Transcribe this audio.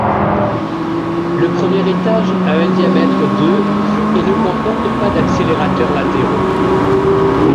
Le premier étage a un diamètre de et ne comporte pas d'accélérateurs latéraux.